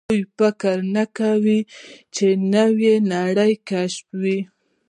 هغوی فکر نه کاوه، چې نوې نړۍ کشفوي.